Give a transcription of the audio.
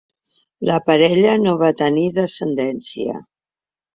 La parella no va tenir descendència.